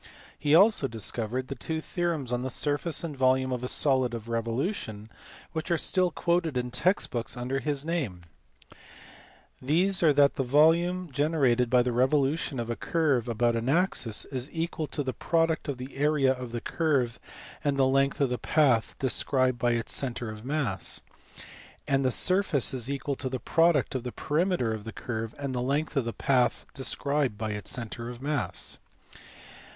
He also discovered the two theorems on the surface and volume of a solid of revolution which are still quoted in text books under his name : these are that the volume generated by the revolution of a curve about an axis is equal to the product of the area of the curve and the length of the path described by its centre of mass; and the surface is equal to the product of the perimeter of the curve and the length of the path described by its centre of mass.